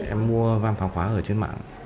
em mua văn phá khóa ở trên mạng